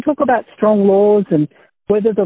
tidak ada program dukungan keluarga